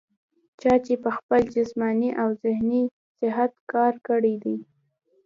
چا چې پۀ خپل جسماني او ذهني صحت کار کړے دے